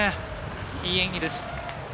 いい演技です。